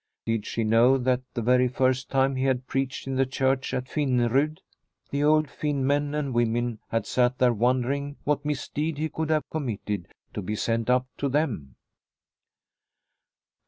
Did she know that the very first time he had preached in the church at Finnerud the old Finn men and women had sat there wondering what misdeed he could have committed to be sent up to them